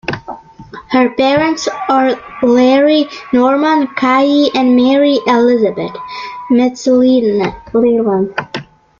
Her parents are Larry Norman Kaye and Mary Elizabeth McLellan.